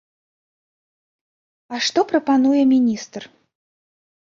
А што прапануе міністр?